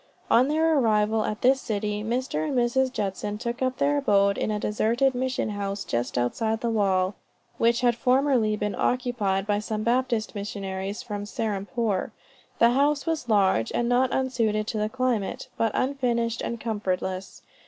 On their arrival at this city, Mr. and Mrs. Judson took up their abode in a deserted mission house just outside the wall, which had formerly been occupied by some Baptist missionaries from Serampore. The house was large and not unsuited to the climate, but unfinished and comfortless.